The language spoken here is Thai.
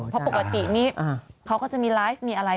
เพราะปกตินี้เขาก็จะมีไลฟ์มีอะไร